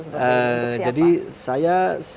seperti ini untuk siapa